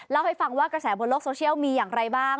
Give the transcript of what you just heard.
เล่าให้ฟังว่ากระแสบนโลกโซเชียลมีอย่างไรบ้าง